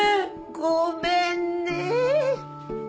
ごめんねえ！